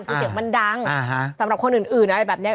คือเสียงมันดังสำหรับคนอื่นอะไรแบบนี้